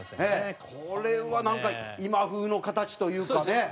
これはなんか今風の形というかね。